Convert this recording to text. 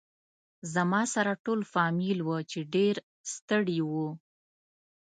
زما سره ټول فامیل و چې ډېر ستړي و.